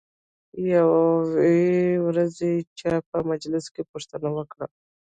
یوې ورځې چا په مجلس کې پوښتنه وکړه.